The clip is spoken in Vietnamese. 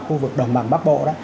khu vực đồng bằng bắc bộ